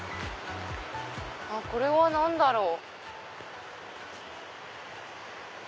これは何だろう？